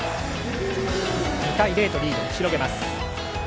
２対０とリードを広げます。